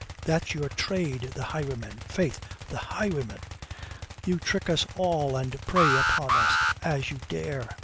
That's your trade, the highwayman, faith, the highwayman! You trick us all and prey upon us, as you dare.